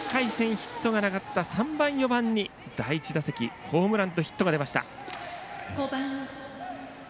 ヒットがなかった３番、４番に第１打席ホームランとヒットが出ました。